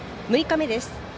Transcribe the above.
６日目です。